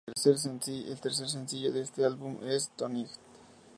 El tercer sencillo de este álbum es "Tonight".